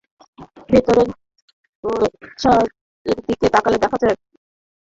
ভেতরের প্রসাদটির দিকে তাকালে দেখা যাবে দেয়ালের পরতে পরতে রানী ভবানীর আভিজাত্য।